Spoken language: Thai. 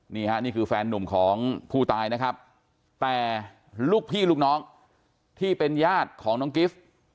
นี่ฮะนี่คือแฟนนุ่มของผู้ตายนะครับแต่ลูกพี่ลูกน้องที่เป็นญาติของน้องกิฟต์